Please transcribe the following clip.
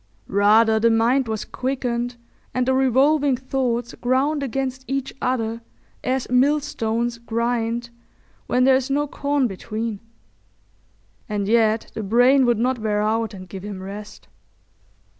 Rather the mind was quickened and the revolving thoughts ground against each other as millstones grind when there is no corn between; and yet the brain would not wear out and give him rest.